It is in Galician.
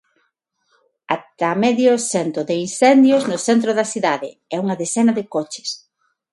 Ata medio cento de incendios no centro da cidade, e unha decena de coches.